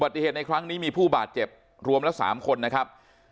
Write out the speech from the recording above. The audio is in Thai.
แต่ถ้าถิ่นการศึกบาดเจ็บรวมละ๓คนนะครับ